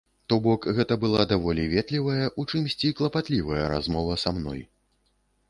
То бок, гэта была даволі ветлівая, у чымсьці клапатлівая размова са мной.